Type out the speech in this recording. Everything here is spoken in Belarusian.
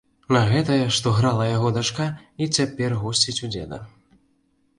А гэтая, што грала, яго дачка, і цяпер госціць у дзеда.